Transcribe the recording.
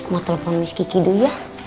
mau telepon mas kiki dulu ya